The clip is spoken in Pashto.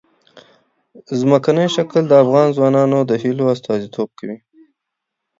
ځمکنی شکل د افغان ځوانانو د هیلو استازیتوب کوي.